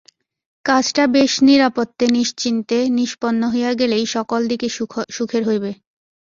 কাজটা বেশ নিরাপত্তে নিশ্চিন্তে নিষ্পন্ন হইয়া গেলেই সকল দিকে সুখের হইবে।